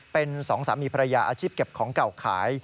เป็นสองสามีภรรยาอาชีพเก็บของเก่าขาย